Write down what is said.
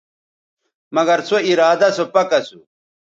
مگر سو ارادہ سو پَک اسو